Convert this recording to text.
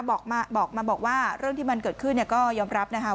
บอกมาบอกว่าเรื่องที่มันเกิดขึ้นก็ยอมรับนะคะ